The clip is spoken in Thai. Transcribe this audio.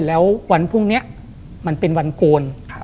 แล้ววันพรุ่งนี้มันเป็นวันโกน